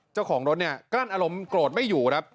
เจ้าของรถการอารมณ์โกรธไม่อยู่